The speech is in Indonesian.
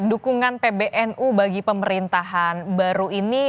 dukungan pbnu bagi pemerintahan baru ini